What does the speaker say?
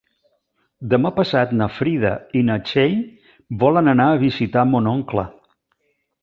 Demà passat na Frida i na Txell volen anar a visitar mon oncle.